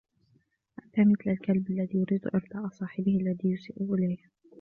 أنت مثل الكلب الذي يريد ارضاء صاحبه الذي يسيء إليه.